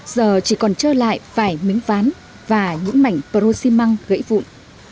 giờ chỉ còn trơ lại phải miếng ván và những mảnh pro xi măng gãy vụn